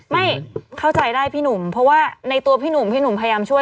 ไม่เข้าใจได้พี่หนุ่มเพราะว่าในตัวพี่หนุ่มพี่หนุ่มพยายามช่วย